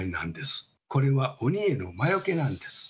これは鬼への魔よけなんです。